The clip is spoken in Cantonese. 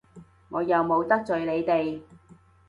我又冇得罪你哋！